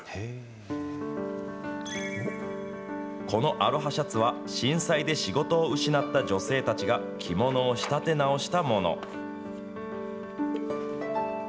このアロハシャツは、震災で仕事を失った女性たちが着物を仕立て直したもの。